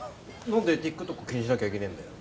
なんでＴｉｋＴｏｋ気にしなきゃいけねえんだよ？